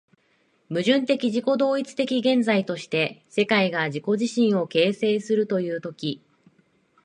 矛盾的自己同一的現在として、世界が自己自身を形成するという時、